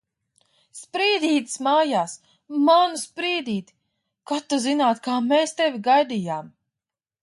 Sprīdītis mājā! Manu Sprīdīti! Kad tu zinātu, kā mēs tevi gaidījām!